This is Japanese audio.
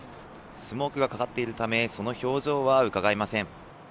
スモークがかかっているため、その表情はうかがえません。